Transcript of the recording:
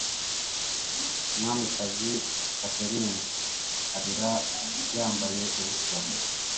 umwamikazi catherine arira yambaye ubusa